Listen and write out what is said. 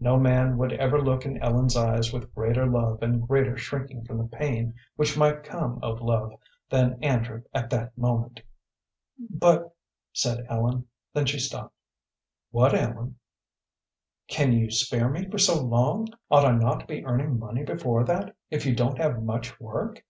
No man would ever look in Ellen's eyes with greater love and greater shrinking from the pain which might come of love than Andrew at that moment. "But " said Ellen; then she stopped. "What, Ellen?" "Can you spare me for so long? Ought I not to be earning money before that, if you don't have much work?"